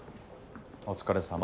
お疲れさま。